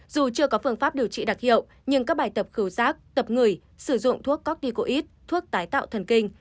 dù chưa có phương pháp điều trị đặc hiệu nhưng các bài tập khởi rác tập người sử dụng thuốc corticoid thuốc tái tạo thần kinh